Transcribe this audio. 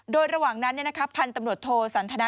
โดยระหว่างนั้นพันธุ์ตำรวจโทสันทนา